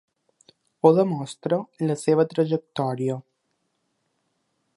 Ho demostra la seva trajectòria.